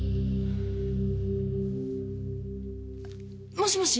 もしもし？